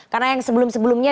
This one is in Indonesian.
karena yang sebelum sebelumnya